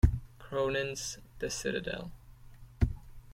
Cronin's "The Citadel".